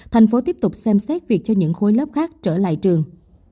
thành phố tiếp tục xem xét việc cho những khối lớp khác trở lại trường